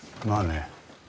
まあね。